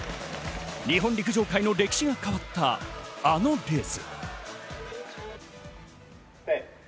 日本陸上界の歴史が変わったあのレース。